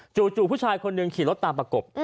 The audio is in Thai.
ผู้ชายคนหนึ่งขี่รถตามประกบ